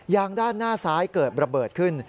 ด้านหน้าซ้ายเกิดระเบิดขึ้น